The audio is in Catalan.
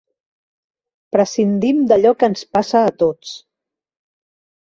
Prescindim d'allò que ens passa a tots.